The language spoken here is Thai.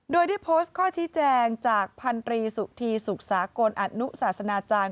โดยได้โพสต์ข้อชี้แจงจากพันธรีสุธีสุขสากลอนุศาสนาจารย์